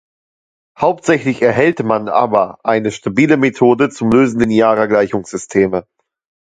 Hauptsächlich erhält man aber eine stabile Methode zum Lösen linearer Gleichungssysteme.